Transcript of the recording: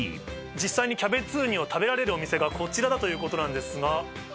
実際にキャベツウニを食べられるお店が、こちらだということなんですが。